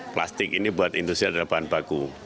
plastik ini buat industri adalah bahan baku